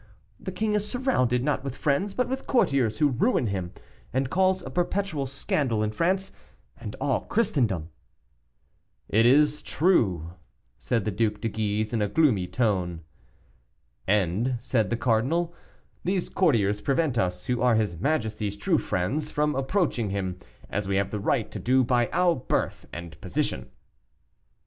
The king is surrounded, not with friends, but with courtiers, who ruin him, and cause a perpetual scandal in France and all Christendom." "It is true," said the Duc de Guise, in a gloomy tone. "And," said the cardinal, "these courtiers prevent us, who are his majesty's true friends, from approaching him as we have the right to do by our birth and position."